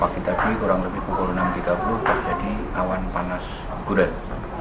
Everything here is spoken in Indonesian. ketika berada di kota kecamatan tidak berdampak pada aktivitas kerja masyarakat